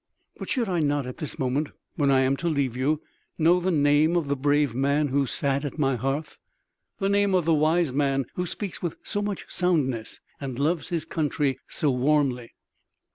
"But should I not, at this moment when I am to leave you, know the name of the brave man who sat at my hearth? The name of the wise man who speaks with so much soundness and loves his country so warmly?"